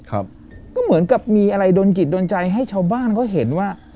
ครับก็เหมือนกับมีอะไรโดนจิตโดนใจให้ชาวบ้านเขาเห็นว่า